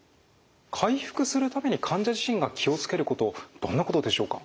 回復するために患者自身が気を付けることどんなことでしょうか？